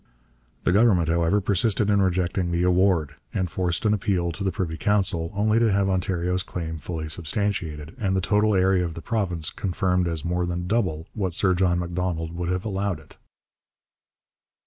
The Government, however, persisted in rejecting the award, and forced an appeal to the Privy Council, only to have Ontario's claim fully substantiated, and the total area of the province confirmed as more than double what Sir John Macdonald would have allowed it.